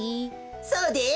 そうです。